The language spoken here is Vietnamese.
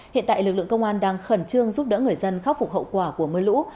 hiện tại lực lượng công an đang khẩn trương giúp đỡ người dân khắc phục hậu quả của mưa lũ